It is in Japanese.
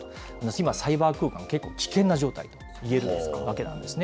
今、サイバー空間は、結構、危険な状態といえるわけなんですね。